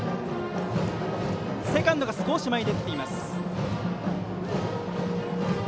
セカンドが少し前に出てきています。